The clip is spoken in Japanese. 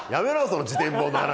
その自伝本の話。